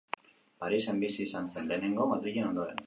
Parisen bizi izan zen lehenengo, Madrilen ondoren.